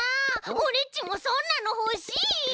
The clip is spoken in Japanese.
オレっちもそんなのほしい！